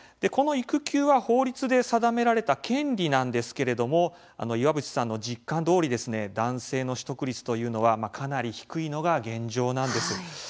この育休は法律で定められた権利なんですけれども岩渕さんの実感どおり男性の取得率というのはかなり低いのが現状なんです。